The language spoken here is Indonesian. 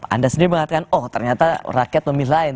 anda sendiri mengatakan oh ternyata rakyat memilih lain